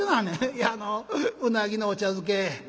「いやあのうなぎのお茶漬け」。